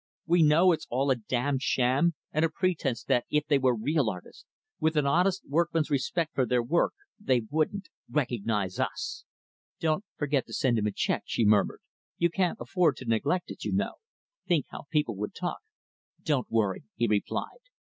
We know it's all a damned sham and a pretense that if they were real artists, with an honest workman's respect for their work, they wouldn't recognize us." "Don't forget to send him a check," she murmured "you can't afford to neglect it, you know think how people would talk." "Don't worry," he replied.